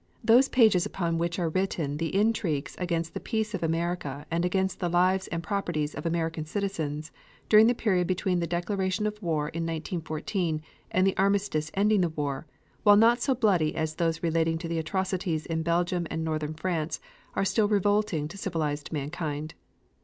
Those pages upon which are written the intrigues against the peace of America and against the lives and properties of American citizens during the period between the declaration of war in 1914 and the armistice ending the war, while not so bloody as those relating to the atrocities in Belgium and Northern France are still revolting to civilized mankind.